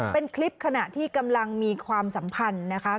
เป็นคลิปขณะที่กำลังมีความสัมพันธ์นะคะ